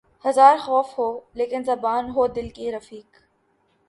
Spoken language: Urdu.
ہزار خوف ہو لیکن زباں ہو دل کی رفیق